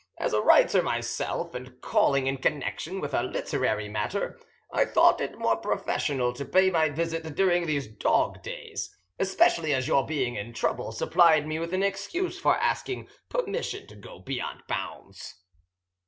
As a writer myself, and calling in connection with a literary matter, I thought it more professional to pay my visit during the dog days, especially as your being in trouble supplied me with an excuse for asking permission to go beyond bounds."